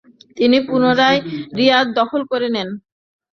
তিনি পুনরায় রিয়াদ দখল করে নেন।